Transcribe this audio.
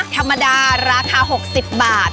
ธรรมดาราคา๖๐บาท